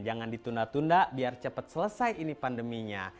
jangan ditunda tunda biar cepat selesai ini pandeminya